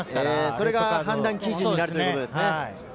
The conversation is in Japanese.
それが判断基準になるということですね。